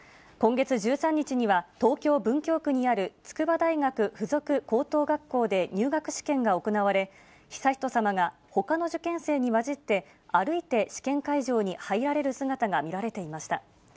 今月１３日には、東京・文京区にある筑波大学附属高等学校で入学試験が行われ、悠仁さまがほかの受験生に交じって、歩いて試験会場に入られる姿が見られていました。